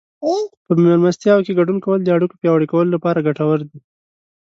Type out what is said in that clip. په مېلمستیاوو کې ګډون کول د اړیکو پیاوړي کولو لپاره ګټور دي.